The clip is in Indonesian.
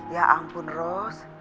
ya ampun ros